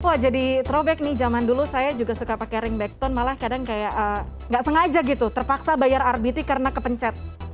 wah jadi trobek nih zaman dulu saya juga suka pakai ringback tone malah kadang kayak nggak sengaja gitu terpaksa bayar rbt karena kepencet